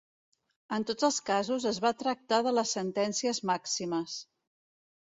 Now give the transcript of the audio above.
En tots els casos es va tractar de les sentències màximes.